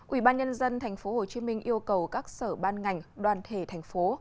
ủy ban nhân dân tp hcm yêu cầu các sở ban ngành đoàn thể thành phố